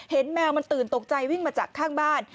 แมวมันตื่นตกใจวิ่งมาจากข้างบ้าน